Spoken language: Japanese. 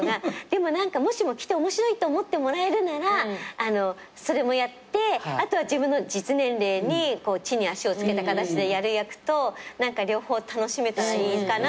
でも何かもしもきて面白いと思ってもらえるならそれもやってあとは自分の実年齢に地に足をつけたかたちでやる役と両方楽しめたらいいかななんて